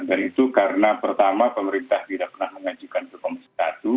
dan itu karena pertama pemerintah tidak pernah mengajukan komisi satu